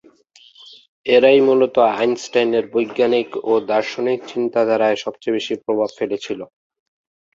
এরাই মূলত আইনস্টাইনের বৈজ্ঞানিক ও দার্শনিক চিন্তাধারায় সবচেয়ে বেশি প্রভাব ফেলেছিল।